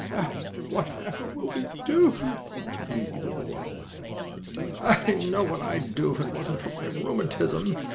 "Oh, whatever shall we do?" cried Weezy Wibblewobble. "I know what I'd do, if it wasn't for my rheumatism!"